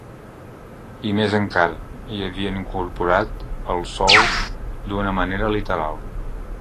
I més encara, hi havíem incorporat el sol d’una manera literal.